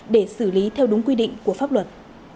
để xử lý theo đúng quy định của pháp luật